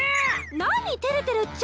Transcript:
何照れてるっちゃ？